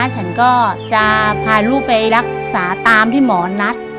ฉันก็จะพาลูกไปรักษาตามที่หมอนัด